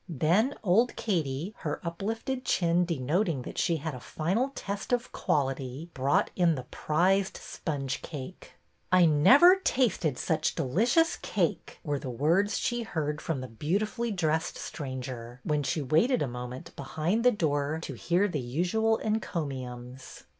Then old Katie, her uplifted chin denoting that she had a final test of quality," brought in the prized sponge cake. I never tasted such delicious cake !" were the words she heard from the beautifully dressed stranger, when she waited a moment behind the PRESERVES 125 door to hear the usual encomiums.